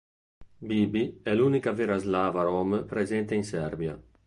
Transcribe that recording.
Bibi è l'unica vera Slava rom presente in Serbia.